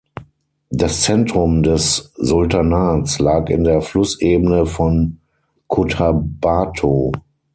Das Zentrum des Sultanats lag in der Flussebene von Cotabato.